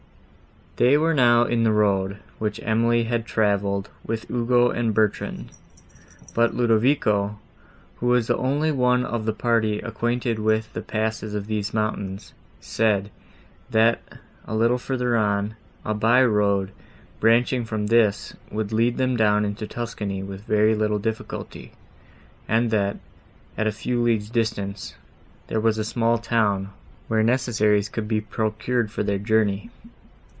They were now in the road, which Emily had travelled with Ugo and Bertrand; but Ludovico, who was the only one of the party, acquainted with the passes of these mountains, said, that, a little further on, a by road, branching from this, would lead them down into Tuscany with very little difficulty; and that, at a few leagues distance, was a small town, where necessaries could be procured for their journey.